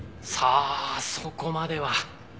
さあそこまでは。